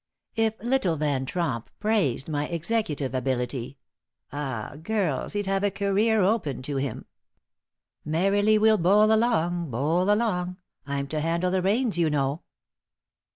If little Van Tromp praised my executive ability ah girls, he'd have a career open to him. Merrily we'll bowl along, bowl along I'm to handle the reins, you know."